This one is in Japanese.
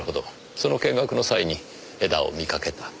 その見学の際に江田を見かけた。